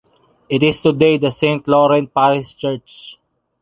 It is today the Saint-Laurent Parish Church.